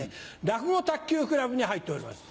「らくご卓球クラブ」に入っております。